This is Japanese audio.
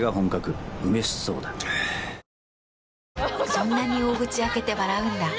そんなに大口開けて笑うんだ。